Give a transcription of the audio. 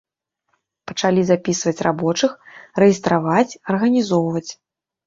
Пачалі запісваць рабочых, рэестраваць, арганізоўваць.